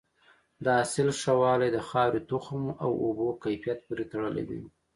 د حاصل ښه والی د خاورې، تخم او اوبو کیفیت پورې تړلی دی.